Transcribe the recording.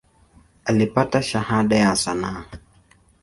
Alipata Shahada ya sanaa.